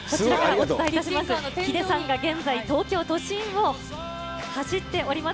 お伝えいたします、ヒデさんが現在、東京都心を走っております。